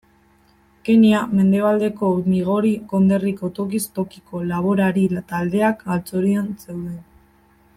Kenya mendebaldeko Migori konderriko tokiz tokiko laborari taldeak galtzorian zeuden.